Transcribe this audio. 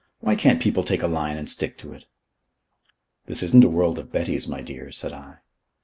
Why can't people take a line and stick to it?" "This isn't a world of Bettys, my dear," said I.